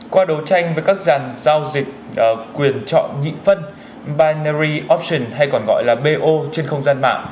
qua đấu tranh với các dàn giao dịch quyền chọn nhị phân buyenry ofton hay còn gọi là bo trên không gian mạng